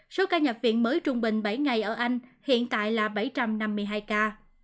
số ca nhập viện mới trung bình bảy ngày ở anh hiện tại là bảy trăm năm mươi hai ca